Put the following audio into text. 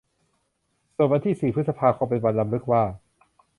ส่วนวันที่สี่พฤษภาคม เป็นวันรำลึกว่า